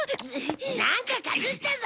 なんか隠したぞ！